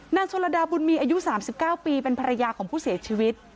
โชลดาบุญมีอายุ๓๙ปีเป็นภรรยาของผู้เสียชีวิต